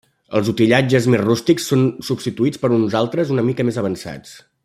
Els utillatges més rústics són substituïts per uns altres una mica més avançats.